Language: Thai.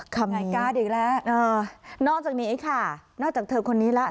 คำนี้อ่านอกจากนี้ค่ะนอกจากเธอคนนี้แล้ว